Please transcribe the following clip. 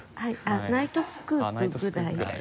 「ナイトスクープ」ぐらい？